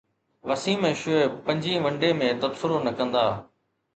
وسيم ۽ شعيب پنجين one day ۾ تبصرو نه ڪندا